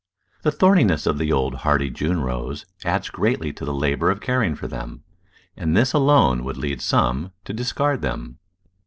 The thorniness of the old hardy June Rose adds greatly to the labour of caring for them, and this alone would lead some to discard them.